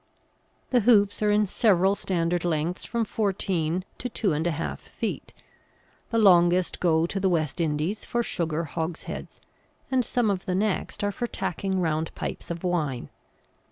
The hoops are in several standard lengths, from fourteen to two and a half feet. The longest go to the West Indies for sugar hogsheads, and some of the next are for tacking round pipes of wine.